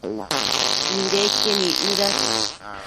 nidequien icnëdash